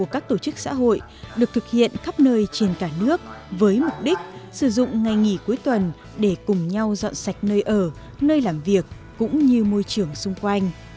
các tổ chức xã hội được thực hiện khắp nơi trên cả nước với mục đích sử dụng ngày nghỉ cuối tuần để cùng nhau dọn sạch nơi ở nơi làm việc cũng như môi trường xung quanh